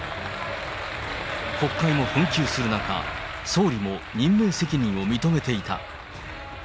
国会も紛糾する中、総理も任命責任を認めていた。